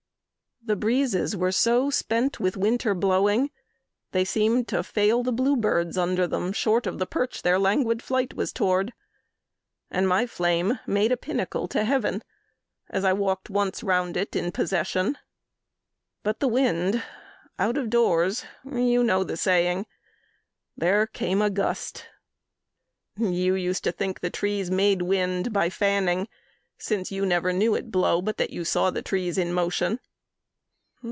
The breezes were so spent with winter blowing They seemed to fail the bluebirds under them Short of the perch their languid flight was toward; And my flame made a pinnacle to heaven As I walked once round it in possession. But the wind out of doors you know the saying. There came a gust. You used to think the trees Made wind by fanning since you never knew It blow but that you saw the trees in motion.